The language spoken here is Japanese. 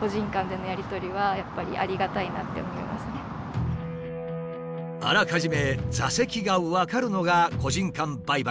熱心にあらかじめ座席が分かるのが個人間売買の魅力。